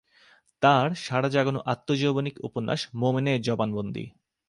তাঁর সাড়া জাগানো আত্মজৈবনিক উপন্যাস মোমেনের জবানবন্দী।